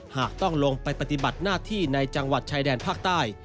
หากต้องลงไปปฏิบัติหน้าที่ในจังหวัดชายแดนภาคใต้